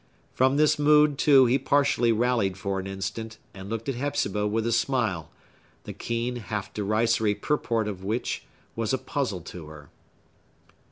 From this mood, too, he partially rallied for an instant, and looked at Hepzibah with a smile, the keen, half derisory purport of which was a puzzle to her.